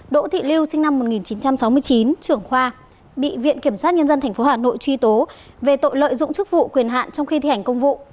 đỗ thị lưu sinh năm một nghìn chín trăm sáu mươi chín trưởng khoa bị viện kiểm sát nhân dân tp hà nội truy tố về tội lợi dụng chức vụ quyền hạn trong khi thi hành công vụ